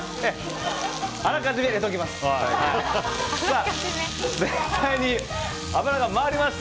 あらかじめ入れておきます。